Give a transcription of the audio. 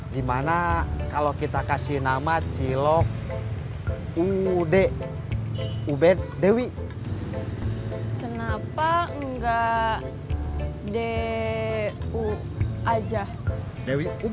gimana kalau kita kasih nama cilok ud ub dewi kenapa enggak de u aja dewi ub